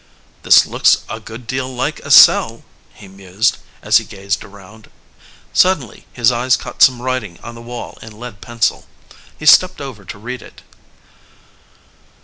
"This looks a good deal like a cell," he mused as he gazed around. Suddenly his eyes caught some writing on the wall in lead pencil. He stepped over to read it.